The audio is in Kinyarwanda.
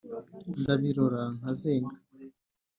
ndabirora nkazenga”